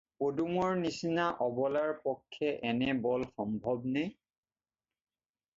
পদুমৰ নিচিনা অবলাৰ পক্ষে এনে বল সম্ভৱ নে?